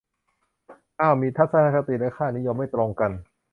อ้าวมีทัศนคติและค่านิยมไม่ตรงกัน